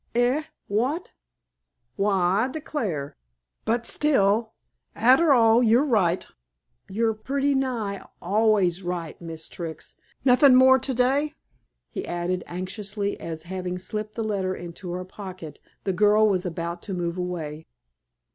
"Eh? What? Waal, I declar'! But still, arter all, you're right. You're putty nigh always right, Miss Trix. Nothin' more today?" he added, anxiously, as having slipped the letter into her pocket, the girl was about to move away.